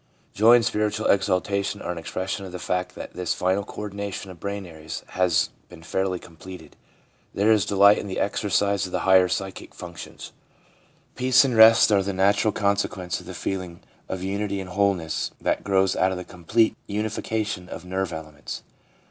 Joy and spiritual exaltation are an expression of the fact that this final co ordination of brain areas has been fairly completed. There is delight in the exercise of the higher psychic functions ; peace and rest are the natural consequence of the feeling of unity and wholeness that grows out of the complete unification of nerve elements.